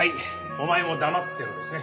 「お前も黙ってろ」ですね。